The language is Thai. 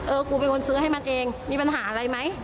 กูเป็นคนซื้อให้มันเองมีปัญหาอะไรไหม